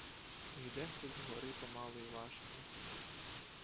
Йде хтось згори помалу й важко.